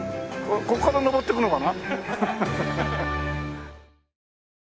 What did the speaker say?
ここから上っていくのかな？